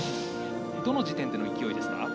どの時点での勢いですか。